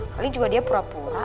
paling juga dia pura pura